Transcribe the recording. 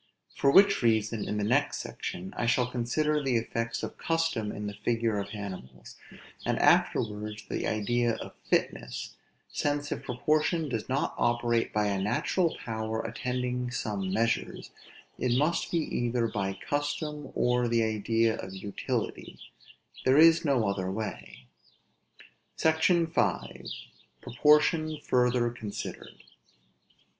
For which reason, in the next section, I shall consider the effects of custom in the figure of animals; and afterwards the idea of fitness: since if proportion does not operate by a natural power attending some measures, it must be either by custom, or the idea of utility; there is no other way. SECTION V. PROPORTION FURTHER CONSIDERED.